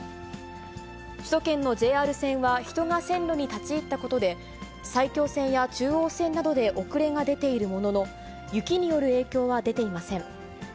首都圏のＪＲ線は、人が線路に立ち入ったことで、埼京線や中央線などで遅れが出ているものの、雪による影響は出ていません。